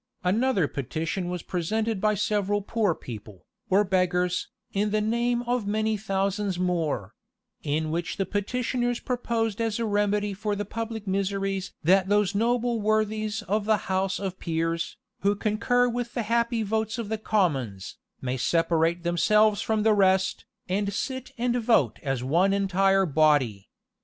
'"[] Another petition was presented by several poor people, or beggars, in the name of many thousands more; in which the petitioners proposed as a remedy for the public miseries "That those noble worthies of the house of peers, who concur with the happy votes of the commons, may separate themselves from the rest, and sit and vote as one entire body."